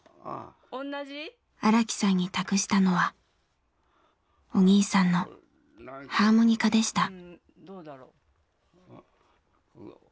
荒木さんに託したのはお兄さんのハーモニカでした。